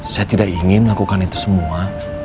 saya tidak ingin lakukan itu semua